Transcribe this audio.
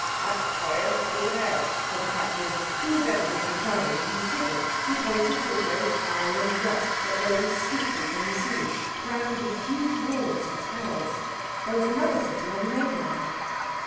"That's Tyre over there," said the Captain, who was evidently trying to be civil. He pointed to a great island rock, that rose steeply from the sea, crowned with huge walls and towers. There was another city on the mainland.